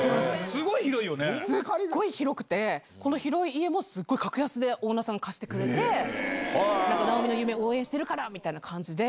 すごい広くて、このすごい広い家もすっごい格安でオーナーさんが貸してくれて、直美の夢、応援してるからみたいな感じで。